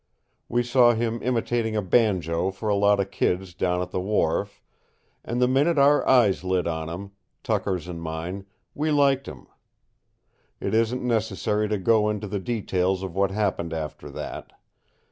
We saw him imitating a banjo for a lot of kids down on the wharf, and the minute our eyes lit on him Tucker's and mine we liked him. It isn't necessary to go into the details of what happened after that.